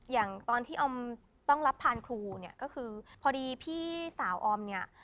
อย่างตอนที่ออมต้องรับพานครูเนี่ยก็คือพอดีพี่สาวออมเนี่ย